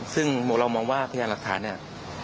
ซึ่งเรามองว่าพยานหลักฐานเนี่ย